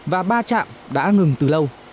và ba chạm đã ngừng từ lâu